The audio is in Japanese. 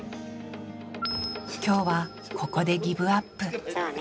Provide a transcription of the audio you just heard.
今日はここでギブアップそうね。